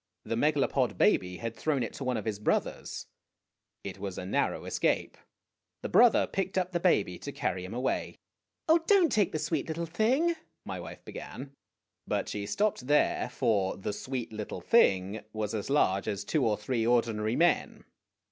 The Megalopod baby had thrown it to one of his brothers. It was a narrow escape. The brother picked up the baby to carry him away. "Oh, don't take the sweet little thing my wife began; but she stopped there, for "the sweet little thing" was as large as two or three ordinary men.